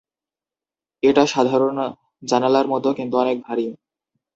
এটা সাধারণ জানালার মত কিন্তু অনেক ভারী।